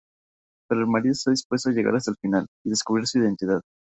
Pero, el marido está dispuesto a llegar hasta el final y descubrir su identidad...